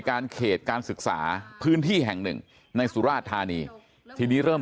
การเขตการศึกษาพื้นที่แห่งหนึ่งในสุราชธานีทีนี้เริ่ม